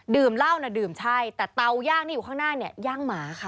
เหล้าน่ะดื่มใช่แต่เตาย่างที่อยู่ข้างหน้าเนี่ยย่างหมาค่ะ